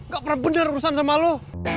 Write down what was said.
gak pernah bener urusan sama lo